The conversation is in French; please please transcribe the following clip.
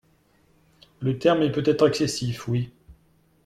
le terme est peut-être excessif, Oui